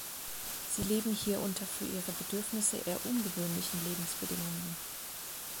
Sie leben hier unter für ihre Bedürfnisse eher ungewöhnlichen Lebensbedingungen.